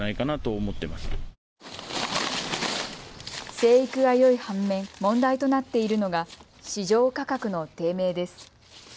生育がよい反面、問題となっているのが市場価格の低迷です。